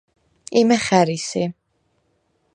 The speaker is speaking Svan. იმე ხა̈რი სი?